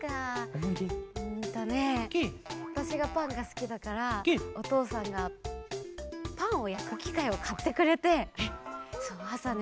うんとねわたしがパンがすきだからおとうさんがパンをやくきかいをかってくれてあさね